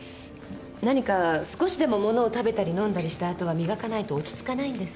何か少しでも物を食べたり飲んだりした後は磨かないと落ち着かないんです。